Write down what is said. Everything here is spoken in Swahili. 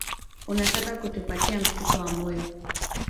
Unataka kutupatia mshtuko wa moyo